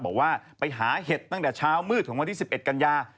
บอกว่าไปหาเห็ดตั้งแต่เช้ามืดของวันที่๑๑กันยา